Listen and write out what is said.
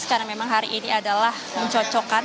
karena memang hari ini adalah mencocokkan